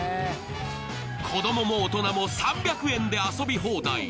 子供も大人も３００円で遊び放題。